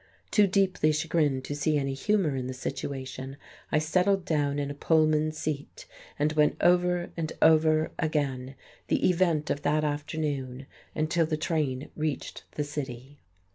Too deeply chagrined to see any humour in the situation, I settled down in a Pullman seat and went over and over again the event of that afternoon until the train reached the city.